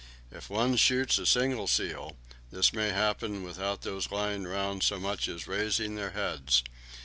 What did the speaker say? If one shoots a single seal, this may happen without those lying round so much as raising their heads.